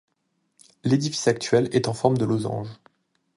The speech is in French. L'édifice actuel est en forme de losange.